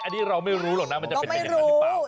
อันนี้เราไม่รู้หรอกนะมันจะเป็นเหมือนกันหรือเปล่าเราไม่รู้